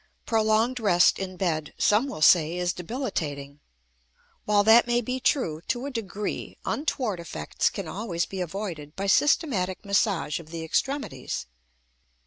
Prolonged rest in bed, some will say, is debilitating. While that may be true to a degree, untoward effects can always be avoided by systematic massage of the extremities.